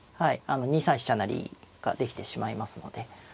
２三飛車成ができてしまいますので。